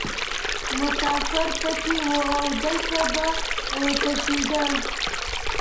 مسافر پکې وو او دلته به تشیده.